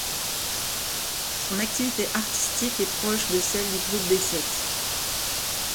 Son activité artistique est proche de celle du Groupe des Sept.